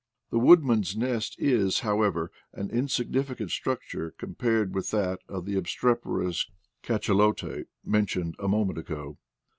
The woodman's nest is, how ever, an insignificant structure compared with that of the obstreperous cachalote mentioned a moment ago.